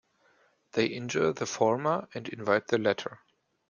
They injure the former and invite the latter.